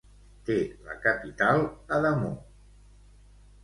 Té la capital a Damoh.